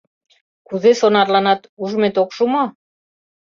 Кузе сонарланат — ужмет ок шу мо?